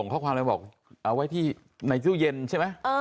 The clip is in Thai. ส่งข้อความอะไรบอกครับเอาไว้ที่นายจุเย็นใช่ไหม